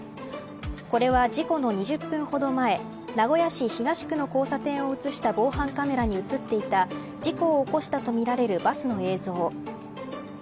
これは事故の２０分ほど前名古屋市東区の交差点を映した防犯カメラに映っていた事故を起こしたとみられるバスの映像。